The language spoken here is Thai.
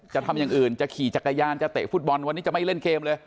ทำอย่างอื่นจะขี่จักรยานจะเตะฟุตบอลวันนี้จะไม่เล่นเกมเลย